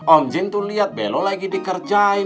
om jin tuh liat bello lagi dikerjain